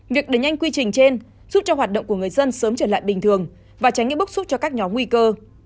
việc đẩy nhanh quy trình trên giúp cho hoạt động của người dân sớm trở lại bình thường và tránh những bức xúc cho các nhóm nguy cơ